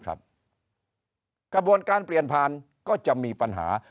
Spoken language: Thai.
กระบวนการเปลี่ยนผ่านก็จะมีปัญหา